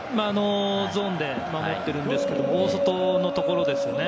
ゾーンで守っているんですけれども、大外のところですよね。